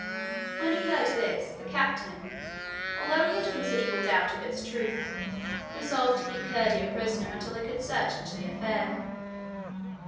When he heard this, the captain, although he had considerable doubt of its truth, resolved to keep Curdie a prisoner until they could search into the affair.